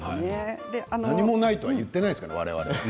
何もないとは言っていないですから我々。